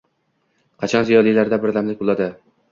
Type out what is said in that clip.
Qachon ziyolilarda birdamlik bo‘ladi?